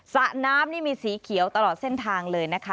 สระน้ำนี่มีสีเขียวตลอดเส้นทางเลยนะคะ